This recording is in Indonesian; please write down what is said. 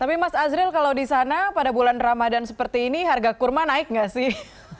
tapi mas azril kalau di sana pada bulan ramadan seperti ini harga kurma naik nggak sih